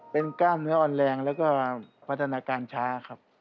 เป็นกล้ามเนื้ออ่อนแรงแล้วก็พัฒนาการช้าครับ